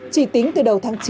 chỉ tính từ đầu tháng chín